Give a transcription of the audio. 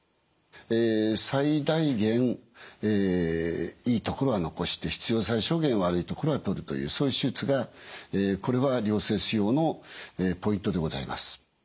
最大限いい所は残して必要最小限悪い所は取るというそういう手術がこれは良性腫瘍のポイントでございます。